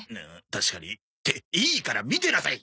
確かに。っていいから見てなさい！